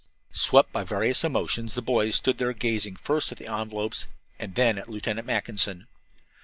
Swept by various emotions, the boys stood there gazing first at the envelopes and then at Lieutenant Mackinson.